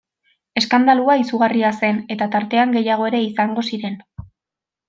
Eskandalua izugarria zen eta tartean gehiago ere izango ziren...